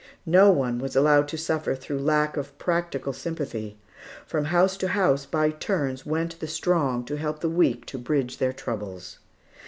No one was allowed to suffer through lack of practical sympathy. From house to house, by turns, went the strong to help the weak to bridge their troubles.